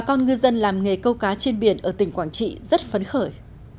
bà con ngư dân làm nghề câu cá trên biển ở tỉnh quảng trị rất phấn khởi